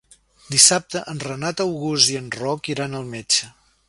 Dissabte en Renat August i en Roc iran al metge.